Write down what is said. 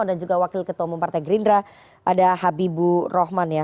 dan juga wakil ketua umum partai gerindra ada habibu rohman ya